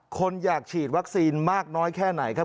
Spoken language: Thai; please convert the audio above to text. คนอยากฉีดวัคซีนมากน้อยแค่ไหนครับ